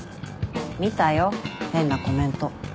見たよ変なコメント。